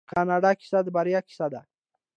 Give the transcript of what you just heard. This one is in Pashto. د کاناډا کیسه د بریا کیسه ده.